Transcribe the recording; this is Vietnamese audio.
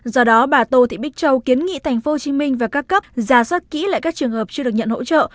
do đó bà tô thị bích châu kiến nghị tp hcm và các cấp ra soát kỹ lại các trường hợp chưa được nhận hỗ trợ